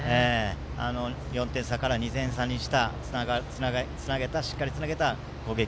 ４点差から２点差にしたしっかりつなげた攻撃。